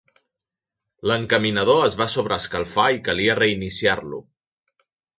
L'encaminador es va sobreescalfar i calia reiniciar-lo.